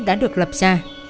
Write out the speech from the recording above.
đã được lập ra